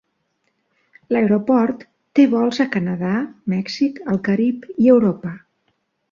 L'aeroport té vols a Canadà, Mèxic, el Carib i Europa.